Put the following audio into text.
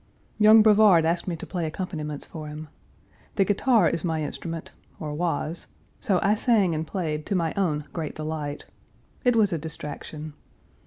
Young Brevard asked me to play accompaniments for him. The guitar is my instrument, or was; so I sang and played, to my own great delight. It was a distraction.